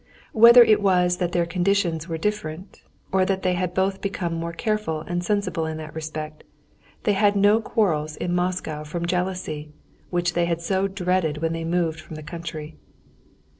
Whether it was that their conditions were different, or that they had both become more careful and sensible in that respect, they had no quarrels in Moscow from jealousy, which they had so dreaded when they moved from the country.